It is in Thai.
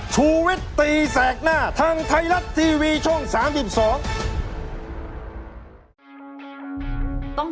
ชุวิตตีแสกหน้าทางไทยรัฐทีวีช่อง๓๒